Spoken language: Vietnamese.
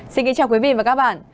xin kính chào quý vị và các bạn